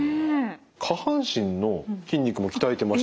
下半身の筋肉も鍛えてましたけども。